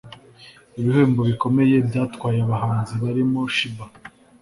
Ibihembo bikomeye byatwaye abahanzi barimo Sheebah